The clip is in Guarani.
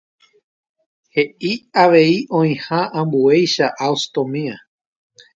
Hei avei oĩha ambueichagua ostomía.